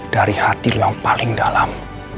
dari hati yang paling dalam